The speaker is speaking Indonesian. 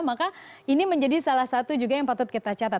maka ini menjadi salah satu juga yang patut kita catat